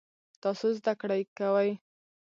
تاسو زده کړی کوئ؟